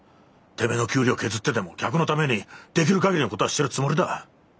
てめえの給料削ってでも客のためにできる限りのことはしてるつもりだ。